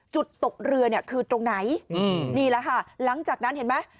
ตกเรือเนี่ยคือตรงไหนนี่แหละค่ะหลังจากนั้นเห็นไหม